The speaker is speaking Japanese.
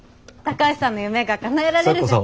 高橋さんの夢がかなえられる。